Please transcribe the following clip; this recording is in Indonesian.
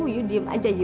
you diem aja yu